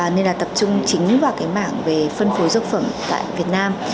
nên là tập trung chính vào cái mảng về phân phối dược phẩm tại việt nam